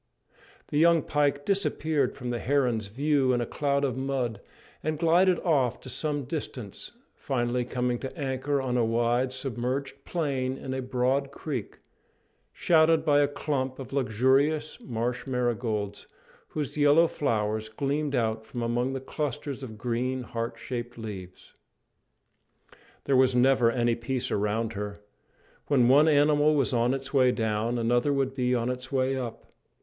The young pike disappeared from the heron's view in a cloud of mud, and glided off to some distance, finally coming to anchor on a wide submerged plain in a broad creek, shadowed by a clump of luxuriant marsh marigolds, whose yellow flowers gleamed out from among the clusters of green, heart shaped leaves. There was never any peace around her. When one animal was on its way down, another would be on its way up.